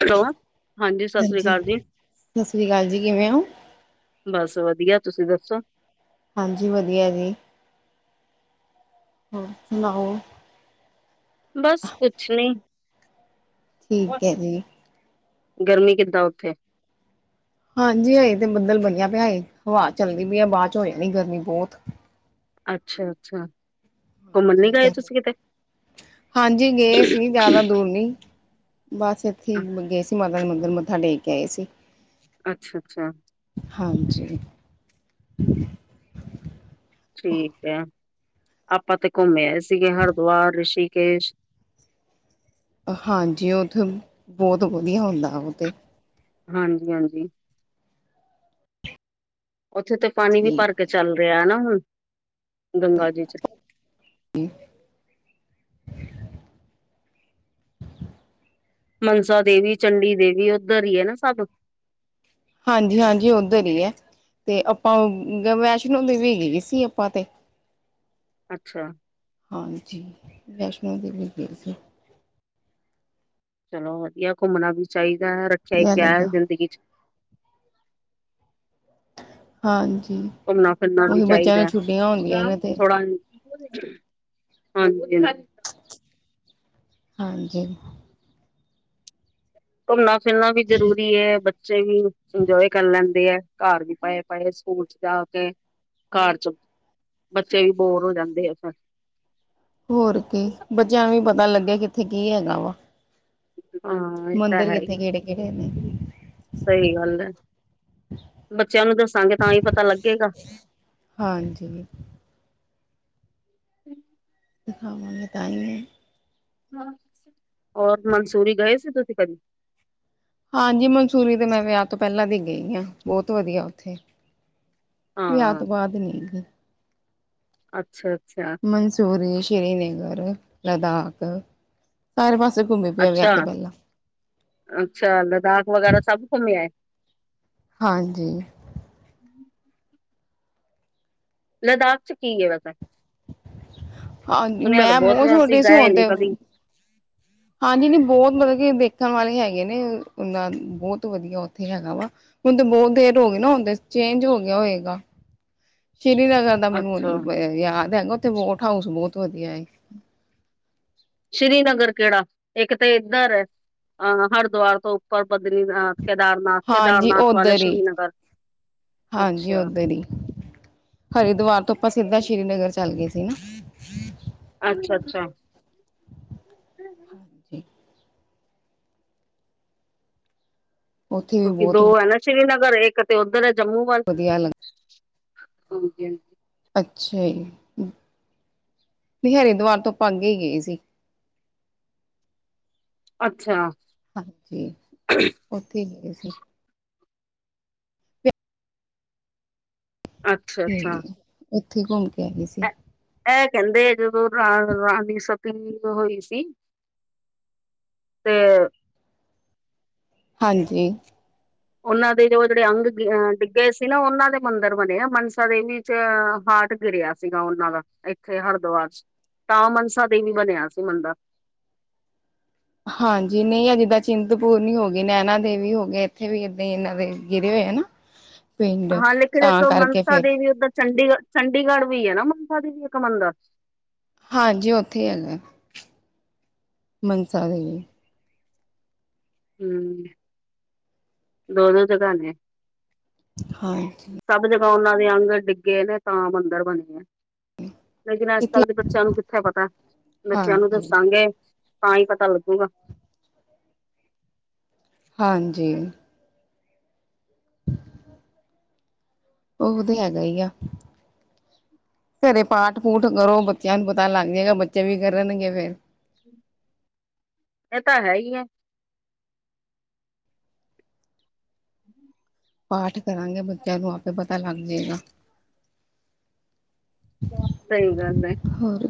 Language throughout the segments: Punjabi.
ਹੈਲੋ, ਹਾਂਜੀ ਸਤਿ ਸ੍ਰੀ ਅਕਾਲ ਜੀ। ਸਤਿ ਸ੍ਰੀ ਅਕਾਲ ਜੀ ਕਿਵੇਂ ਹੋ? ਬਸ ਵਧੀਆ ਤੁਸੀਂ ਦੱਸੋ? ਹਾਂਜੀ ਵਧੀਆ ਜੀ, ਹੋਰ ਸੁਣਾਓ? ਬਸ ਕੁਛ ਨੀ। ਠੀਕ ਹੈ ਜੀ। ਗਰਮੀ ਕਿੱਦਾਂ ਉੱਥੇ? ਹਾਂਜੀ ਹਏੇ ਤੇ ਬੱਦਲ ਬਣਿਆ ਪਿਆ, ਹਵਾ ਚੱਲਦੀ ਪਈ ਆ ਬਾਅਦ ਚ ਹੋ ਜਾਣੀ ਗਰਮੀ ਬਹੁਤ। ਅੱਛਾ, ਅੱਛਾ ਘੁੰਮਣ ਨੀ ਗਏ ਤੁਸੀਂ ਕਿਤੇ? ਹਾਂਜੀ ਗਏ ਸੀ ਜ਼ਿਆਦਾ ਦੂਰ ਨੀ। ਬਸ ਇੱਥੇ ਹੀ ਗਏ ਸੀ ਮਾਤਾ ਦੇ ਮੰਦਰ ਮੱਥਾ ਟੇਕ ਕੇ ਆਏ ਸੀ। ਅੱਛਾ, ਅੱਛਾ ਹਾਂਜੀ। ਠੀਕ ਹੈ, ਆਪਾਂ ਤੇ ਘੁੰਮੇ ਆਏ ਸੀਗੇ ਹਰਿਦੁਆਰ, ਰਿਸ਼ੀਕੇਸ਼ ਹਾਂਜੀ, ਉੱਥੇ ਬਹੁਤ ਵਧੀਆ ਹੁੰਦਾ ਵਾ ਔਥੇ ਹਾਂਜੀ, ਹਾਂਜੀ ਉੱਥੇ ਤੇ ਪਾਣੀ ਵੀ ਠੀਕ। ਭਰ ਕੇ ਚੱਲ ਰਿਹਾ ਨਾ ਹੁਣ, ਗੰਗਾ ਜੀ ਚ। [inaudible] ਮਨਸਾ ਦੇਵੀ, ਚੰਡੀ ਦੇਵੀ ਏਧਰ ਹੀ ਏ ਨਾ ਸਭ। ਹਾਂਜੀ, ਹਾਂਜੀ ਉੱਧਰ ਹੀ ਹੈ ਤੇ ਆਪਾਂ ਵੈਸ਼ਨੋ ਦੇਵੀ ਗ ਸੀ ਆਪਾਂ ਤੇ। ਅੱਛਾ। ਹਾਂਜੀ ਵੈਸ਼ਨੋ ਦੇਵੀ ਗਏ ਸੀ। ਚਲੋ ਵਧੀਆ ਘੁੰਮਣਾ ਵੀ ਚਾਹੀਦਾ ਹੈ ਰੱਖਿਆ ਇ ਵਧੀਆ ਕਯਾ ਹੈ ਲੱਗਾ। ਜ਼ਿੰਦਗੀ ਚ। ਹਾਂਜੀ ਘੁੰਮਣਾ ਫਿਰਨਾ ਵੀ ਉਹੀ ਬੱਚਿਆਂ ਨੂੰ ਚਾਹੀਦਾ, ਛੁੱਟੀਆਂ ਹੁੰਦੀਆਂ ਚ ਨੇ ਤੇ ਥੋੜਾ ਹਾਂਜੀ। ਹਾਂਜੀ ਘੁੰਮਣਾ ਫਿਰਨਾ ਵੀ ਠੀਕ ਜ਼ਰੂਰੀ ਹੈ, ਬ ਬੱਚੇ ਵੀ ਇੰਜੋਏ ਕਰ ਲੈਂਦੇ ਅ ਘਰ ਵੀ ਪਾਏ ਪਏ ਸਕੂਲ ਚ ਜਾ ਕੇ ਘਰ ਚ, ਬੱਚੇ ਵੀ ਬੋਰ ਹੋ ਜਾਂਦੇ ਆ ਫਰ ਹੋਰ ਕੀ ਬੱਚਿਆਂ ਨੂੰ ਵੀ ਪਤਾ ਲੱਗੇ ਕਿੱਥੇ ਕੀ ਹੈਗਾ ਵਾ। ਹਾਂ ਇਹ ਤਾਂ ਮੰਦਿਰ ਹੈ ਹੀ। ਕਿੱਥੇ ਕਿਹੜੇ ਕਿਹੜੇ ਨੇ ਸਹੀ ਗੱਲ ਹੈ, ਬੱਚਿਆਂ ਨੂੰ ਦੱਸਾਂਗੇ ਤਾਂ ਹੀ ਪਤਾ ਲੱਗੇਗਾ। ਹਾਂਜੀ। ਦਿਖਾਵਾਂਗੇ ਤਾਂ ਈਏ। ਹੋਰ ਮੰਸੂਰੀ ਗਏ ਸੀ ਤੁਸੀਂ ਕਦੀ? ਹਾਂਜੀ ਮਨਸੂਰੀ ਦੇ ਮੈਂ ਵਿਆਹ ਤੋਂ ਪਹਿਲਾਂ ਦੀ ਗਈ ਹਾਂ ਬਹੁਤ ਵਧੀਆ ਉੱਥੇ। ਵਿਆਹ ਹਾਂ ਤੋਂ ਬਾਅਦ ਨੀ? ਅੱਛਾ, ਅੱਛਾ ਮੰਸੂਰੀ, ਸ਼੍ਰੀਨਗਰ, ਲਦਾਖ। ਸਾਰੇ ਪਾਸੇ ਘੁੰਮੀ ਪਿਆ ਅੱਛਾ ਵੀਯਾਹ ਤੋ ਪਹਲਾਂ। ਅੱਛਾ, ਲਦਾਖ ਵਗੈਰਾ ਸਭ ਘੁੰਮ ਆਏ। ਹਾਂਜੀ ਲਦਾਖ ਚ ਕੀ ਹੈ ਵੈਸਾ, ਹਾਂਜੀ ਸੁਣਿਆ ਤਾਂ ਮੈਂ ਬਹੁਤ ਯਾਰ ਸੀ ਛੋਟੀ ਗਏ ਹੁਣ ਨੀ ਤੇ ਕਦੀ। ਹਾਂਜੀ ਨਹੀਂ ਬਹੁਤ ਮਤਲਬ ਕਿ ਵੇਖਣ ਵਾਲੇ ਹੈਗੇ ਨੇ ਉਹਨਾ ਦੇ ਬਹੁਤ ਵਧੀਆ ਉੱਥੇ ਹੈਗਾ ਵਾ। ਹੁਣ ਤਾਂ ਬਹੁਤ ਦੇਟ ਹੋ ਗਏ ਨਾ ਹੁਣ ਚੇਂਜ ਹੋ ਗਿਆ ਹੋਏਗਾ, ਸ੍ਰੀਨਗਰ ਦਾ ਮੈਨੂੰ ਅੱਛਾ ਹੁਣ ਅ ਯਾਦ ਹੈਗਾ ਉੱਥੇ ਬੋਟ ਹਾਊਸ ਬਹੁਤ ਵਧੀਆ ਏ। ਸ਼੍ਰੀਨਗਰ ਕਿਹੜਾ ਇੱਕ ਤੇ ਇੱਧਰ ਹੈ ਅਹ ਹਰਿਦੁਆਰ ਤੋਂ ਪਰ ਬਦਰੀਨਾਥ, ਕੇਦਾਰਨਾਥ- ਹਾਂਜੀ ਕੇਦਾਰਨਾਥ ਵਾਲਾ ਉੱਧਰ ਹੀ ਸ਼੍ਰੀਨਗਰ, ਅੱਛਾ। ਹਰਿਦਵਾਰ ਤੋਂ ਆਪਾਂ ਸਿੱਧਾ ਸ਼੍ਰੀਨਗਰ ਚੱਲ ਗਏ ਸੀ ਨਾ। ਅੱਛਾ, ਅੱਛਾ। ਜੀ। ਉੱਥੇ ਵੀ ਕਿਉਂਕਿ ਦੋ ਬਹੁਤ ਹੈ ਨਾ ਸ਼੍ਰੀਨਗਰ, ਇੱਕ ਤੇ ਓਧਰ ਹੈ ਜੰਮੂ ਵੱਲ ਵਧੀਆ ਲੱਗ ਅੱਛਾ ਜੀ, ਨਹੀ ਹਰਿਦੁਵਾਰ ਤੋਂ ਆਪਾਂ ਅੱਗੇ ਹੀ ਗਏ ਸੀ। ਅੱਛਾ। ਹਾਂਜੀ, ਉੱਥੇ ਹੀ ਗਏ ਸੀ। ਅੱਛਾ ਤੇ ਅੱਛਾ ਉੱਥੇ ਹੀ ਘੁੰਮ ਕੇ ਆ ਗਏ ਸੀ। ਇਹ ਇਹ ਕਹਿੰਦੇ, ਜਦੋਂ ਰਾ ਰਾਣੀ ਦੀ ਸਤੀ ਹੋਈ ਸੀ ਤੇ, ਹਾਂਜੀ। ਉਹਨਾਂ ਦੇ ਜੋ ਜਿਹੜੇ ਅੰਗ ਡਿੱਗੇ ਸੀ ਨਾ, ਉਹਨਾਂ ਦੇ ਮੰਦਿਰ ਬਣੇ ਆ ਮਨਸਾ ਦੇਵੀ ਚ ਹਾਰਟ ਗਿਰਿਆ। ਸੀਗਾ ਉਹਨਾਂ ਦਾ ਇੱਥੇ ਹਰਿਦੁਆਰ ਚ, ਤਾਂ ਮਨਸਾ ਦੇਵੀ ਬਣਿਆ ਸੀ ਮੰਦਿਰ। ਹਾਂਜੀ, ਨਹੀਂ ਆ ਜਿੱਦਾਂ ਚਿੰਤਪੁਰਨੀ ਹੋ ਗਈ, ਨੈਨਾ ਦੇਵੀ ਹੋ ਗਏ, ਇੱਥੇ ਵੀ ਏਦਾਂ ਹੀ ਇਹਨਾਂ ਦੇ ਗਿਰੇ ਹੋਏ ਹਨ ਨਾ? [inaudible] ਹਾਂ ਲੇਕਿਨ, ਇੱਕ ਤਾਂ ਕਰਕੇ ਮਨਸਾ ਫਿਰ ਦੇਵੀ ਉੱਧਰ ਚੰਡੀਗੜ੍ਹ, ਚੰਡੀਗੜ੍ਹ ਵੀ ਹੈ ਨਾ ਮਨਸਾ ਦੇਵੀ ਇੱਕ ਮੰਦਿਰ? ਹਾਂਜੀ, ਉੱਥੇ ਹੀ ਹੈਗਾ। ਮੰਨਸਾ ਦੇਵੀ। ਹਮ। ਦੋ-ਦੋ ਜਗਾ ਨੇ। ਹਾਂਜੀ। ਸਭ ਜਗ੍ਹਾ ਉਹਨਾਂ ਦੇ ਅੰਗ ਡਿੱਗੇ ਨੇ, ਤਾਂ ਮੰਦਿਰ ਬਣੇ ਆ। ਲੇਕਿਨ ਅੱਜ ਇੱਥੇ ਕੱਲ੍ਹ ਦੇ ਬੱਚਿਆਂ ਨੂੰ ਕਿੱਥੇ ਪਤਾ, ਬੱਚਿਆਂ ਨੂੰ ਹਾਂਜੀ ਦੱਸਾਗੇ। ਤਾਂ ਹੀ ਪਤਾ ਲੱਗੂਗਾ। ਹਾਂਜੀ। ਉਹ ਤੇ ਹੈਗਾ ਈ ਆ। ਘਰੇ ਪਾਠ- ਪੂਠ ਕਰੋ, ਬੱਚਿਆਂ ਨੂੰ ਪਤਾ ਲੱਗ ਜਾਏਗਾ, ਬੱਚੇ ਵੀ ਕਰਨਗੇ ਫੇਰ। ਇਹ ਤਾਂ ਹੈ ਹੀ ਹੈ। ਹਮ। ਪਾਠ ਕਰਾਂਗੇ ਬੱਚਿਆਂ ਨੂੰ ਆਪੇ ਪਤਾ ਲੱਗ ਜਾਏਗਾ। ਸਹੀ ਗੱਲ ਹੈ। ਹੋਰ,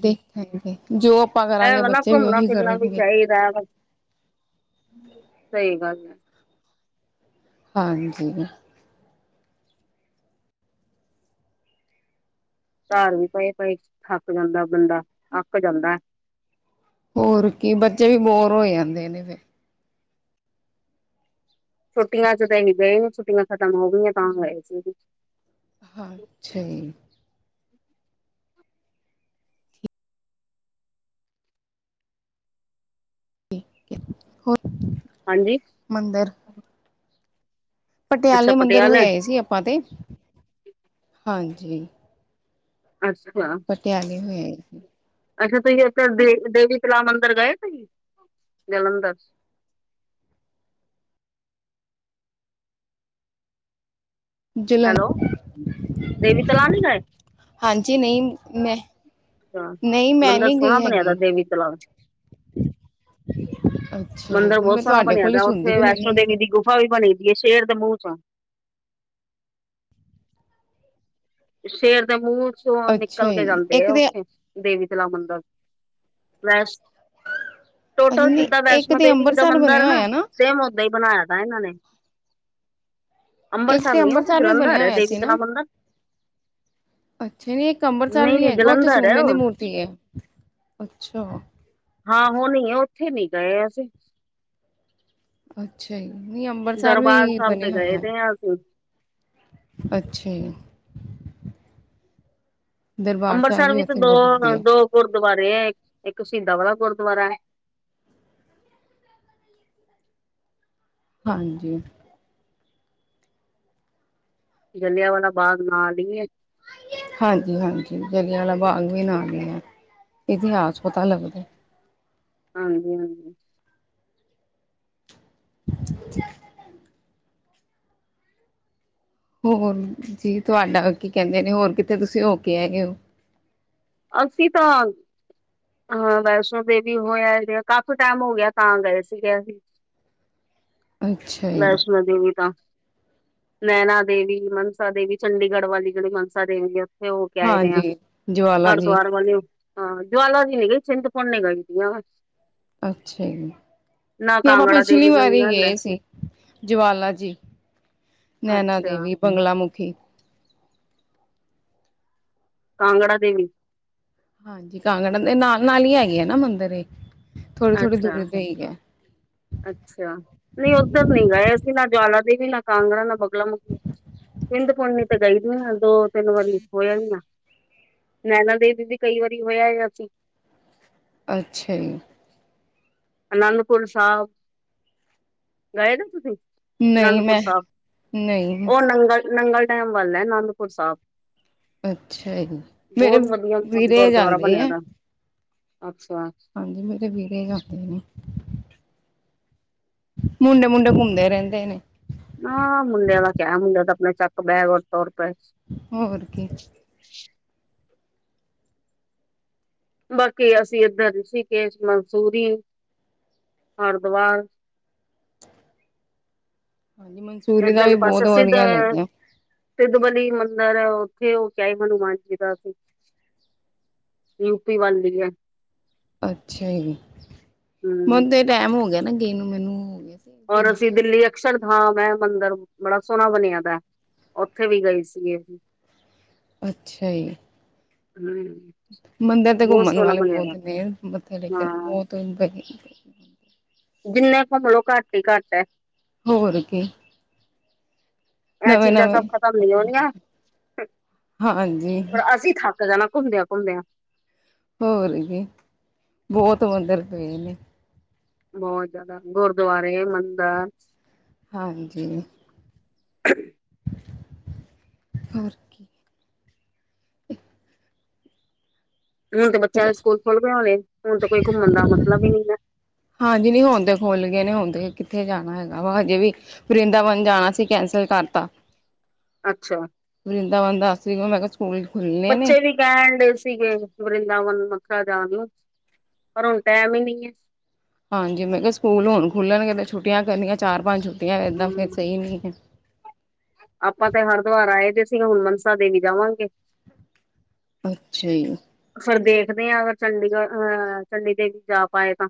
ਦੇਖਣਾ ਬਈ ਦੇਖਣਾ ਜੋ ਇਹ ਕਰਾਂਗੇ ਵਾ ਨਾ ਬੱਚੇ ਵੀ ਘੁੰਮਣਾ ਉਹੀ ਫਿਰਨਾ ਵੀ ਕਰਨਗੇ ਚਾਹੀਦਾ, ਸਹੀ ਗੱਲ ਹੈ। ਹਾਂਜੀ। ਘਰ ਵੀ ਪਏ-ਪਏ, ਥੱਕ ਜਾਂਦਾ ਬੰਦਾ, ਅੱਕ ਜਾਂਦਾ। ਹੋਰ ਕੀ, ਬੱਚੇ ਵੀ ਬੋਰ ਹੋ ਜਾਂਦੇ ਨੇ। ਫਿਰ ਛੁੱਟੀਆਂ ਚ' ਤਾਂ ਅਸੀ ਗਏ ਨੀ, ਛੁਟੀਆਂ ਖਤਮ ਹੋ ਗਈਆਂ, ਤਾਂ ਗਏ ਸੀ ਅਸੀ। ਹਾਂ ਛੀ- ਹੋਰ ਹਾਂਜੀ। ਮੰਦਰ ਪਟਿਆਲੇ ਮੰਦਿਰ ਹੋ ਆਏ ਸੀ ਆਪਾਂ ਤੇ। ਹਾਂਜੀ। ਅੱਛਾ। ਮੈ ਹੋ ਆਈ ਸੀ। ਅੱਛਾ, ਤੁਸੀਂ ਓਧਰ ਦੇ ਦੇਵੀ ਤਲਾ ਮੰਦਿਰ ਗਏ? ਜਲੰਧਰ। ਹੈਲੋ ਜਲੰਧਰ। ਦੇਵੀ ਤਲਾਬ ਨੀ ਗਏ ਹਾਂਜੀ, ਨਹੀਂ ਮੈਂ ਅੱਛਾ, ਨਹੀਂ ਮੈਂ ਮੰਦਿਰ ਨਹੀਂ ਸੋਹਣਾ ਗਈ ਬਣਿਆ ਦਾ ਹੈਗੀ ਦੇਵੀ ਤਲਾ। ਅੱਛਾ ਜੀ ਮੰਦਿਰ ਨਹੀਂ ਬਹੁਤ ਮੈਂ ਸੋਹਣਾ ਤੁਹਾਡੇ ਬਣਿਆ ਕੋਲ ਹੀ ਦਾ, ਸੁਣਦੀ ਉੱਥੇ ਪਈ ਵੈਸ਼ਨੋ ਮੈਨੂੰ ਨੀ ਦੇਵੀ ਦੀ ਪਤਾ ਗੁਫ ਗੁਫਾ ਵੀ ਬਣੀ ਹੋਈ ਹੈ। ਸ਼ੇਰ ਦੇ ਮੂੰਹ ਚੋਂ ਸ਼ੇਰ ਦੇ ਮੂੰਹ ਚੋਂ ਨਿਕਲ ਅੱਛਾ ਕੇ ਜੀ ਜਾਂਦੇ ਇੱਕ ਆ ਤੇ ਉੱਥੇ। ਦੇਵੀ ਤਲਾ ਮੰਦਿਰ। ਪਲੈਸਟ ਟੋਟਲ ਨਹੀਂ ਜਿੱਦਾਂ ਇੱਕ ਵੈਸ਼ਨੋ ਤੇ ਦੇਵੀ ਦਾ ਅੰਬਰਸਰ ਮੰਦਿਰ ਬਣਿਆ ਹੈ ਨਾ, ਹੋਇਆ ਸੇਮ ਔਦਾ ਹੀ ਬਣਾਇਆ ਤ ਇਹਨਾਂ ਨੇ। ਇੱਕ ਅੰਮ੍ਰਰਤਸਰ ਨ, ਉਹ ਤੇ ਅੰਬਰਸਰ ਵੀ ਜਲੰਧਰ ਬਣਿਆ ਹੈ ਹੋਇਆ ਦੇਵੀ ਸੀ ਤੇ ਨਾ ਨ ਮੰਦਿਰ। ਅੱਛਾ। ਨਹੀਂ ਇੱਕ ਅੰਬ੍ਰਿਤਸਰ ਨਹੀਂ ਵੀ ਨਹੀਂ ਹੈਗਾ, ਉੱਥੇ ਜਲੰਧਰ ਹੈ ਸੋਨੇ ਦੀ ਉਹ ਮੂਰਤੀ ਐ, ਅੱਛਾ। ਆਹੋ ਹੋਣੀ ਐ, ਉੱਥੇ ਨੀ ਗਏ ਅਸੀਂ। ਅੱਛਾ ਜੀ, ਨਹੀਂ ਅੰਬਰਸਰ ਦਰਬਾਰ ਵੀ ਸਾਹਿਬ ਬਣੇ ਤੇ ਹੋਏ ਗਏ ਐ। ਦੇ ਹਾਂ ਅਸੀਂ ਅੱਛਾ ਜੀ। ਦਰਬਾਰ ਸਾਹਿਬ ਅੰਮ੍ਰਿਤਸਰ ਵੀ ਵਿੱਚ ਉੱਥੇ ਬਹੁਤ ਦੋ, ਵਧੀਆ ਦੋ ਗੁਰਦੁਆਰੇ ਐ, ਇੱਕ ਸ਼ਹੀਦਾਂ ਵਾਲਾ ਗੁਰਦੁਆਰਾ ਐ। ਹਾਂਜੀ। ਜਲਿਆਂਵਾਲਾ ਬਾਗ਼ ਨਾਲ ਹੀ ਐ। ਹਾਂਜੀ- ਹਾਂਜੀ ਜਲਿਆਂਵਾਲਾ ਬਾਗ ਵੀ ਨਾਲ ਈ ਐ, ਇਤਿਹਾਸ ਪਤਾ ਲੱਗਦਾ। ਹਾਂਜੀ- ਹਾਂਜੀ। [inaudible] ਹੋਰ ਜੀ ਤੁਹਾਡਾ ਕੀ ਕਹਿੰਦੇ ਨੇ ਹੋਰ ਕਿਥੇ ਤੁਸੀਂ ਹੋ ਕੇ ਆਗੇ ਹੋ? ਅਸੀਂ ਤਾਂ ਹਾਂ, ਵੈਸ਼ਨੋ ਦੇਵੀ ਹੋਇਆ ਹੈਗਾ, ਕਾਫੀ ਟਾਈਮ ਹੋ ਗਿਆ ਤਾਂ ਗਏ ਸੀਗੇ ਅਸੀਂ। ਅੱਛਾ ਜੀ ਵੈਸ਼ਨੋ ਦੇਵੀ ਤਾਂ ਨੈਣਾ ਦੇਵੀ, ਮਨਸਾ ਦੇਵੀ ਚੰਡੀਗੜ੍ਹ ਵਾਲੀ ਜਿਹੜੀ ਮਨਸਾ ਦੇਵੀ ਆ। ਉੱਥੇ ਹੋ ਕੇ ਆਏ ਵੈ ਆ। ਹਾਂਜੀ ਜਵਾਲਾ ਜੀ ਹਰਿਦੁਆਰ ਵਾਲਿਓ, ਹਾਂ ਜਵਾਲਾ ਜੀ ਨੀ ਗਏ, ਚਿੰਤਪੁਰਨੀ ਗਏ ਦੀ ਆਂ ਮੈਂ। ਅੱਛਾ ਜੀ। ਨਾ ਤੇ ਆਪਾਂ ਕਾਂਗੜਾ ਪਿਛਲੀ ਦੇਵੀ ਗਈ ਵਾਰੀ ਆ ਹਲੇ ਗਏ ਸੀ, ਜਵਾਲਾ ਜੀ। ਨੈਣਾ ਅੱਛਾ ਦੇਵੀ, ਬੰਗਲਾ ਮੁੁਖੀ। ਕਾਂਗੜਾ ਦੇਵੀ ਹਾਂਜੀ। ਕਾਂਗੜਾ ਦੇ ਨਾਲ ਨਾਲ ਹੀ ਹੈਗੇ ਆ ਨਾ ਮੰਦਿਰ ਇਹ ਥੋੜੀ ਥੋੜ੍ਹੀ ਅੱਛਾ ਦੂਰੀ ਤੇ ਹੀ ਐ। ਅੱਛਾ। ਨਹੀਂ ਉੱਧਰ ਨਹੀਂ ਗਏ ਅਸੀਂ ਨਾ ਜਵਾਲਾ ਦੇਵੀ ਨਾ ਕਾਂਗੜਾ ਨਾ ਬਗਲਾ ਮੁਖੀ। ਚਿੰਤਪੁਰਨੀ ਤਾ ਗਈ ਵੋਂ, ਦੋ ਤਿੰਨ ਵਾਰੀ ਹੋ ਆਈ ਆ ਨੈਣਾ ਦੇਵੀ ਵੀ ਕਈ ਵਾਰੀ ਹੋ ਆਏ ਅਸੀਂ। ਅੱਛਾ ਜੀ। ਆਨੰਦਪੁਰ ਸਾਹਿਬ ਗਏ ਵੇ ਤੁਸੀਂ ਨਹੀਂ ਅਨੰਦਪੁਰ ਮੈਂ ਸਾਹਿਬ, ਨਹੀਂ ਉਹ ਨੰਗਲ ਨੰਗਲ ਡੈਮ ਵੱਲ ਐ ਆਨੰਦਪੁਰ ਸਾਹਿਬ। ਅੱਛਾ ਜੀ ਮੇਰੇ ਬਹੁਤ ਵਧੀਆ ਵੀਰੇ ਗੁਰਦੁਆਰਾ ਜਾਂਦੇ ਬਣਿਆ ਆ ਦਾ। ਅੱਛਾ। ਹਾਂਜੀ, ਮੇਰੇ ਵੀਰੇ ਜਾਂਦੇ ਨੇ। ਮੁੰਡੇ ਮੁੰਡੇ ਘੁੰਮਦੇ ਰਹਿੰਦੇ ਨੇ। ਹਾਂ, ਮੁੰਡਿਆਂ ਦਾ ਕਿਆ ਹੁੰਦਾ, ਇਹ ਤਾਂ ਆਪਣੇ ਚੱਕ ਬੈਗ ਔਰ ਤੁਰ ਪਏ। ਹੋਰ ਕੀ। ਬਾਕੀ ਅਸੀਂ ਇੱਧਰ, ਰਿਸ਼ੀਕੇਸ, ਮਨਸੂਰੀ, ਹਰਿਦੁਆਰ ਹਾਂਜੀ, ਮਨਸੂਰੀ ਦਾ ਵੀ ਬਹੁਤ ਵਧੀਆ ਲੱਗਿਆਂ। ਤਿਦ ਬਲੀ ਮੰਦਿਰ ਐ, ਉੱਥੇ ਉਹ ਕਿਆ ਸੀ ਹਨੂੰਮਾਨ ਜੀ ਦਾ ਅਸੀ। ਯੂਪੀ ਵਲ ਹੀ ਹੈ। ਅੱਛਾ ਜੀ, ਹਮ ਮੈਂਨੂੰ ਤੇ ਟੈਮ ਹੋ ਗਿਆ ਨਾ ਗਈ ਨੂੰ, ਮੈਨੂੰ ਹੋ ਗਿਆ ਸੀ ਔਰ ਅਸੀਂ ਦਿੱਲੀ ਅਕਸ਼ਰ ਧਾਮ ਐ ਮੰਦਿਰ ਬੜਾ ਸੋਹਣਾ ਬਣਿਆ ਵਾਂ, ਉੱਥੇ ਵੀ ਗਏ ਸੀਗੇ ਅਸੀਂ। ਅੱਛਾ ਜੀ। ਹੂੰ ਮੰਦਿਰ ਤੇ ਘੁੰਮਣ ਵਾਲੇ ਬਹੁਤ ਨੇ, ਮੱਥੇ ਟੇਕਣ ਹਾਂ ਬਹੁਤ ਵਧੀਆ ਜਿੰਨਾ ਘੁੰਮ ਲੋ ਘੱਟ ਹੀ ਘਟ ਐ। ਹੋਰ ਕੀ। ਇਹ ਨਵੇਂ ਚੀਜ਼ਾਂ ਨਵੇਂ ਸਭ ਖਤਮ ਨੀ ਹੋਣੀਆਂ, ਹਾਂਜੀ ਪਰ ਅਸੀਂ ਖਾ ਜਾਣਾ ਘੁੰਮਦਿਆਂ ਘੁੰਮਦਿਆਂ। ਹੋਰ ਗਏ, ਬਹੁਤ ਮੰਦਿਰ ਪਏ ਨੇ। ਬਹੁਤ ਜਿਆਦਾ ਗੁਰਦੁਆਰੇ ਮੰਦਿਰ ਹਾਂਜੀ। [unintelligible] ਹੋਰ ਕੀ ਹੁਣ ਤੇ ਬੱਚਿਆਂ ਦੇ ਸਕੂਲ ਖੁੱਲ ਗਏ ਹੁਣੇ ਹੁਣ ਤੇ ਕੋਈ ਘੁੰਮਣ ਦਾ ਮਤਲਬ ਹੀ ਨੀ ਹੈ। ਹਾਂਜੀ ਹੂਣ ਤੇ ਖੋਲ ਗਏ ਨੇ ਹੁਣਤੇ ਕਿੱਥੇ ਜਾਣਾ ਹੈਗਾ ਵਾ ਹਜੇ ਵੀ ਵਰਿੰਦਾਵਨ ਜਾਣਾ ਸੀ ਕੈਂਸਲ ਕਰਤਾ। ਅੱਛਾ ਵਰਿਦਾਵਨ ਦੱਸ ਵੀ ਮੈਂ ਕਿਹਾ ਸਕੂਲ ਖੁੱਲਣੇ ਨੇ ਟਾਈਮ ਸੀਗੇ ਵਰਿੰਦਾਵਨ ਮਥੁਰਾ ਜਾਣ ਨੂੰ ਪਰ ਹੁਣ ਟੈਮ ਹੀ ਨੀ ਹੈ। ਹਾਂਜੀ ਮੈਂ ਕਿਹਾ ਸਕੂਲ ਹੁਣ ਖੁੱਲ੍ਹਣਗੇ ਤਾਂ ਛੁੱਟੀਆਂ ਕਰਨੀਆਂ ਚਾਰ ਪੰਜ ਛੁੱਟੀਆਂ ਇੱਦਾਂ ਫਿਰ ਹਮ ਸਹੀ ਨਹੀਂ ਹੈ। ਆਪਾਂ ਤੇ ਹਰਿਦੁਆਰ ਆਏ ਦੇ ਸੀ ਹੁਣ ਮਨਸਾ ਦੇਵੀ ਜਾਵਾਂਗੇ। ਅੱਛਾ ਜੀ। ਫਿਰ ਦੇਖਦੇ ਹ ਅਗਰ ਚੰਡੀਗੜ੍ਹ ਅਹ ਚੰਡੀ ਦੇਵੀ ਜਾ ਪਾਏ ਤਾਂ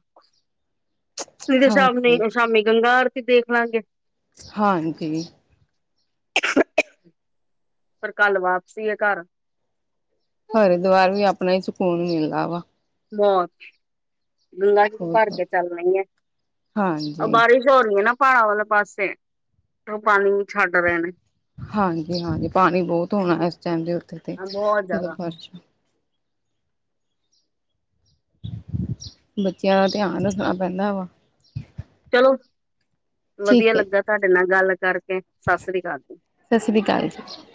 ਨਹੀ ਤੇ ਸ਼ਾਮੀ ਹਾਂਜੀ ਸ਼ਾਮੀ ਗੰਗਾ ਆਰਤੀ ਦੇਖ ਲਾਂਗੇ। ਹਾਂਜੀ। ਪਰ ਕੱਲ ਵਾਪਸੀ ਆ ਘਰ ਹਰਿਦੁਆਰ ਵੀ, ਆਪਣਾ ਹੀ ਸਕੂਨ ਮਿਲਦਾ ਵਾ। ਬਹੁਤ। ਗੰਗਾ ਭਰ ਬਹੁਤ। ਕੇ, ਚੱਲਣੀ ਹੈ, ਉਹ ਹਾਂਜੀ ਬਾਰਿਸ਼। ਜੋੋ ਹੋਰੀ ਏ ਨਾ, ਪਹਾੜਾ ਵਾਲੇ ਪਾਸੇ। ਔ ਪਾਣੀ ਛੱਡ ਰਹੇ ਨੇ ਹਾਂਜੀ- ਹਾਂਜੀ, ਪਾਣੀ ਬਹੁਤ ਹੋਣਾ, ਇਸ ਟਾਈਮ ਦੇ ਉੱਤੇ ਤੇ। ਬਹੁਤ ਜਦੋਂ ਜ਼ਿਆਦਾ ਬਸ਼ ਬੱਚਿਆਂ ਦਾ ਧਿਆਨ, ਰੱਖਣਾ ਪੈਂਦਾ ਵਾ। ਚਲੋ, ਵਧੀਆ ਠੀਕ ਹੈ ਲੱਗਾ। ਤੁਹਾਡੇ ਨਾਲ ਗੱਲ ਕਰਕੇ। ਸਤਿ ਸ੍ਰੀ ਅਕਾਲ ਜੀ। ਸਤਿ ਸ਼੍ਰੀ ਅਕਾਲ ਜੀ।